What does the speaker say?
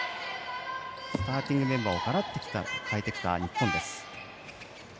スターティングメンバーをガラッと代えてきた日本です。